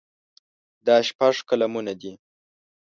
دا شپږ قلمونه دي.